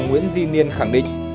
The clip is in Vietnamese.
nguyễn di niên khẳng định